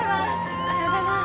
おはようございます。